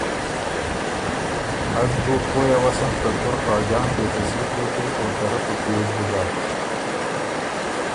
از بُو پویٛ اوسم که تُور خاجان پېڅه سیخ دوکې او ته رۀ په پیوزه بو ژغ۔